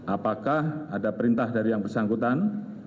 apakah ada perintah dari yang bersangkutan